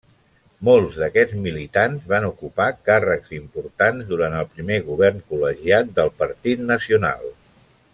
Molts d'aquests militants van ocupar càrrecs importants durant el primer govern col·legiat del Partit Nacional.